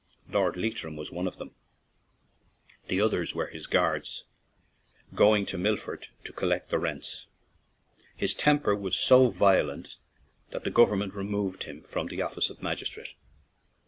Lord Leitrim was one of them ; the others were his guards, going to Milford to collect the rents. His temper was so violent that the government removed him from the office of magistrate.